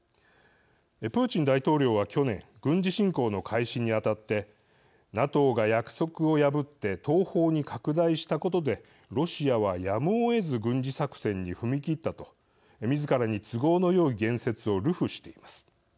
プーチン大統領は去年軍事侵攻の開始にあたってＮＡＴＯが約束を破って東方に拡大したことでロシアはやむをえず軍事作戦に踏み切ったと、みずからに都合のよい言説を流布しています。